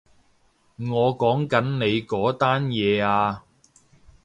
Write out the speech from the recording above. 我講緊你嗰單嘢啊